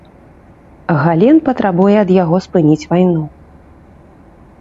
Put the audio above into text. Гален патрабуе ад яго спыніць вайну.